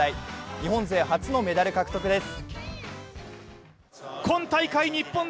日本勢初のメダル獲得です。